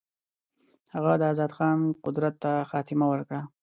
هغه د آزاد خان قدرت ته خاتمه ورکړه.